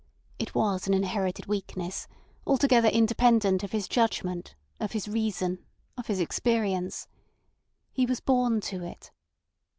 It was an inherited weakness, altogether independent of his judgment, of his reason, of his experience. He was born to it.